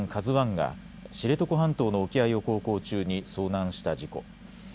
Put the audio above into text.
ＫＡＺＵＩが知床半島の沖合を航行中に遭難した事故。